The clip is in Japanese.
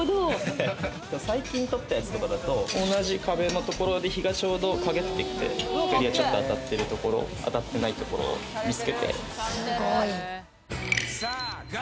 最近撮ったやつとかだと、同じ壁のところで日がちょうど影ってきて、日差しが当たってるところ当たってないところ見つけて。